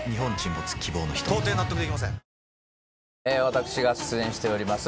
私が出演しております